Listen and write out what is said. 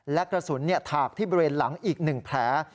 และกระสุนถากที่บริเวณหลังอีก๑แผล